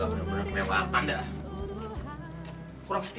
pergi ke rumah dewi